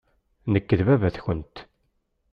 Nekk d baba-tkent.